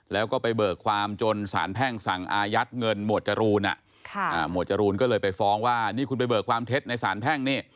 แล้วก็ไปเบิกความจนสารแพ่งสั่งอายัดเงินหมวดจรูนหมวดจรูนก็เลยไปฟ้องว่านี่คุณไปเบิกความเท็จในสารแพ่งนี่